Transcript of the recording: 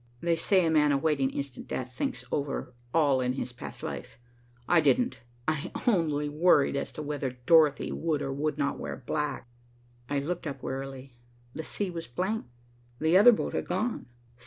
They say a man awaiting instant death thinks over all his past life. I didn't, I only worried as to whether Dorothy would or would not wear black. I looked up wearily. The sea was blank. The other boat had gone.